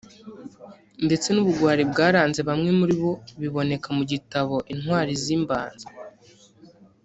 ndetse n’ubugwari bwaranze bamwe muri bo biboneka mu gitabo “Intwari z’Imbanza